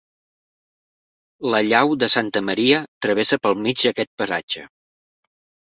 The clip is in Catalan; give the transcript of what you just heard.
La llau de Santa Maria travessa pel mig aquest paratge.